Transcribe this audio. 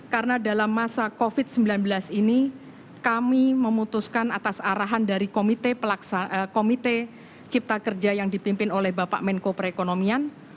karena dalam masa covid sembilan belas ini kami memutuskan atas arahan dari komite cipta kerja yang dipimpin oleh bapak menko perekonomian